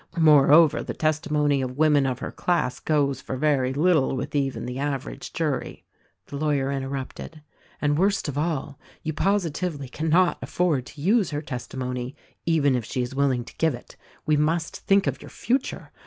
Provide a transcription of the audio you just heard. Moreover, the testimony of women of her class goes for very little with even the aver age jury." The lawyer interrupted — "And worst of all, you positively can not afford to use her testimony, even if she is willing to give it. We must think of your future.